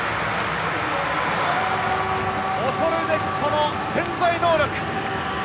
恐るべきこの潜在能力！